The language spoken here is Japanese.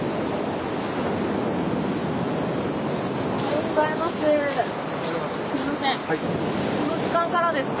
おはようございます。